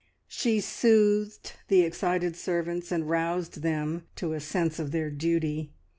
She soothed the excited servants and roused them to a sense of their duty.